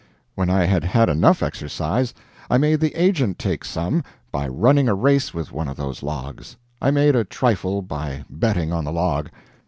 When I had had enough exercise, I made the agent take some, by running a race with one of those logs. I made a trifle by betting on the log.